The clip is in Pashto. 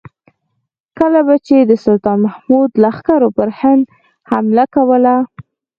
کله به چې د سلطان محمود لښکرو پر هند حمله کوله.